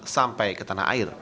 sampai ke tanah air